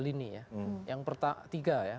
lini ya yang tiga ya